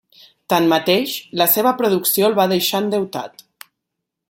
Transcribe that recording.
Tanmateix, la seva producció el va deixar endeutat.